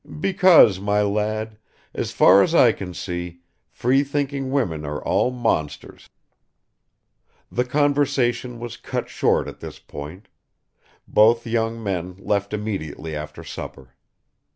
"Because, my lad, as far as I can see, free thinking women are all monsters." The conversation was cut short at this point. Both young men left immediately after supper.